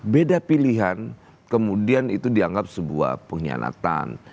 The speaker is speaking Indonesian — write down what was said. beda pilihan kemudian itu dianggap sebuah pengkhianatan